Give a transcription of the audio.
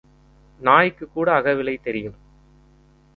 நாய்க்குக் கூட அகவிலை தெரியும்.